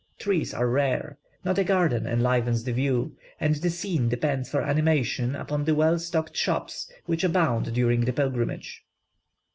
Trees are rare; not a garden enlivens the view, and the scene depends for animation upon the well stocked shops which abound during the pilgrimage.